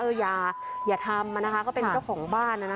เอออย่าอย่าทำอ่ะนะคะก็เป็นเจ้าของบ้านน่ะนะคะ